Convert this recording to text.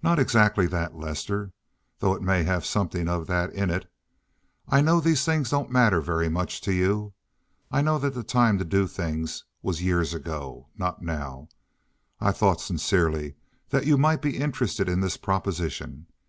"Not exactly that, Lester—though it may have something of that in it. I know these things don't matter very much to you now. I know that the time to do things was years ago—not now. Still I thought sincerely that you might be interested in this proposition.